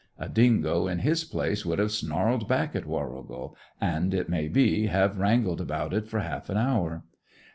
A dingo in his place would have snarled back at Warrigal and, it may be, have wrangled about it for half an hour.